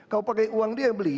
kalau pakai uang dia beli